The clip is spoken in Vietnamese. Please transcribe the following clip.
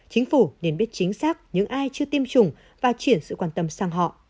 chính phủ nên biết chính xác những ai chưa tiêm chủng và chuyển sự quan tâm sang họ